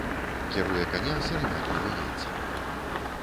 Кіруе каня сырамятнымі лейцамі.